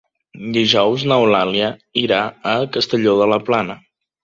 Dijous n'Eulàlia irà a Castelló de la Plana.